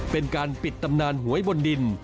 เป็นการปิดตำนานหวยบนดิน